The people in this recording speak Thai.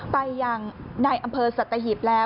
ไปอย่างในอำเภอสัตว์ตะหิบแล้ว